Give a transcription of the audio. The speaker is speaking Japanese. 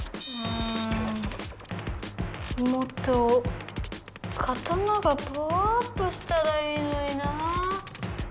もっと刀がパワーアップしたらいいのになあ。